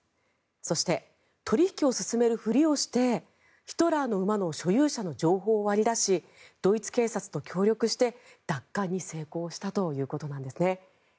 そして、取引を進めるふりをして「ヒトラーの馬」の所有者の情報を割り出しドイツ警察と協力して、奪還に成功したということなんですね。